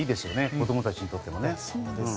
子供たちにとってもね。